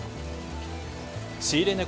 仕入れ値